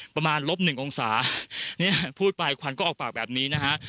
ประมาณลบหนึ่งองศาเนี่ยพูดไปควันก็ออกปากแบบนี้นะฮะ